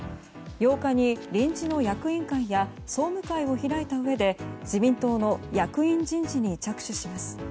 ８日に臨時の役員会や総務会を開いたうえで自民党の役員人事に着手します。